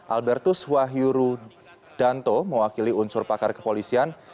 albertus wahyuru danto mewakili unsur pakar kepolisian